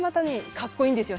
かっこいいんですよ